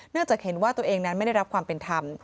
จากเห็นว่าตัวเองนั้นไม่ได้รับความเป็นธรรม